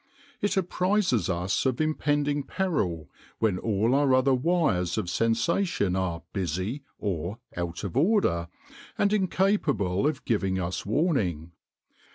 It apprises us of impending peril when all our other wires of sensation are "busy" or "out of order" and incapable of giving us warning.